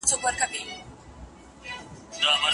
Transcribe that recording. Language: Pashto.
لیکنه دې ښکلې ده.